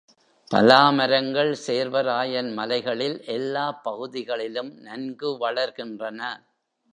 பலா மரங்கள் சேர்வராயன் மலைகளில் எல்லாப் பகுதிகளிலும் நன்கு வளர்கின்றன.